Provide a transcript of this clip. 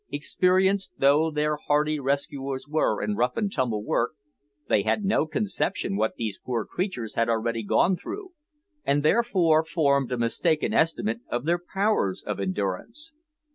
Experienced though their hardy rescuers were in rough and tumble work, they had no conception what these poor creatures had already gone through, and, therefore, formed a mistaken estimate of their powers of endurance.